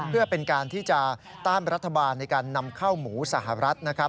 เพื่อเป็นการที่จะต้านรัฐบาลในการนำข้าวหมูสหรัฐนะครับ